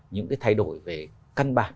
những cái thay đổi về căn bản